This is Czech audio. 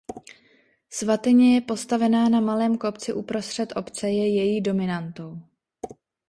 Svatyně je postavená na malém kopci uprostřed obce a je její dominantou.